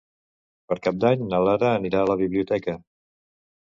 Per Cap d'Any na Lara anirà a la biblioteca.